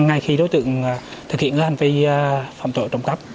ngay khi đối tượng thực hiện hành vi phạm tội trộm cắp